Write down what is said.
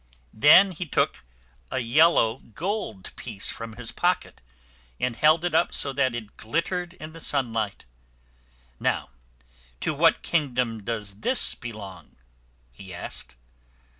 Then he took a yellow gold piece from his pocket, and held it up so that it glit tered in the sunlight. "Now to what kingdom does this belong?" he asked.